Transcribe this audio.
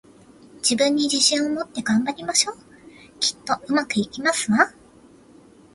自分に自信を持って、頑張りましょう！きっと、上手くいきますわ